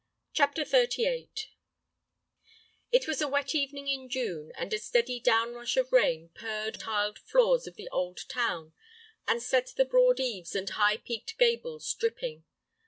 CHAPTER XXXVIII It was a wet evening in June, and a steady downrush of rain purred on the tiled roofs of the old town and set the broad eaves and high peaked gables dripping.